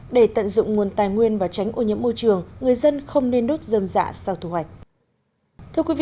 để tận dụng nguồn tài nguyên và tránh ô nhiễm môi trường người dân không nên đốt dâm dạ sau thu hoạch